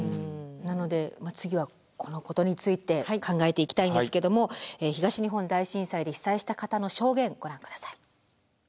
なので次はこのことについて考えていきたいんですけども東日本大震災で被災した方の証言ご覧下さい。